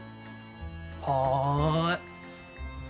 はい。